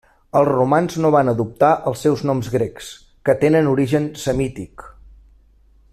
Els romans no van adoptar els seus noms grecs, que tenen origen semític.